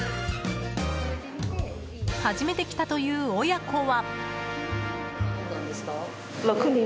初めて来たという親子は。